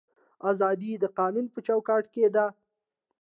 ازادي د قانون په چوکاټ کې ده